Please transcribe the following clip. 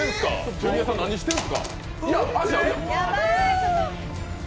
ジュニアさん、何してんすか！